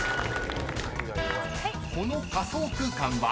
［この仮想空間は？］